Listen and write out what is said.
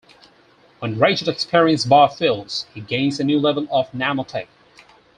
When Ratchet's experience bar fills, he gains a new level of "nanotech".